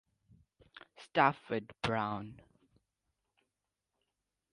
Stafford Brown.